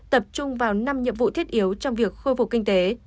tập trung vào năm nhiệm vụ thiết yếu trong việc khôi phục kinh tế